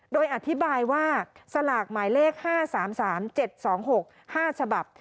โดยอธิบายว่าสลากหมายเลข๕๓๓๗๒๖๕ฉบับ